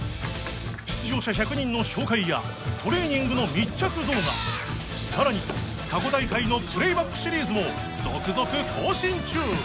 出場者１００人の紹介やトレーニングの密着動画更に過去大会のプレーバックシリーズも続々更新中！